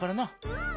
うん。